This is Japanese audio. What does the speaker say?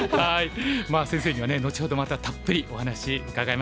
まあ先生にはね後ほどまたたっぷりお話伺います。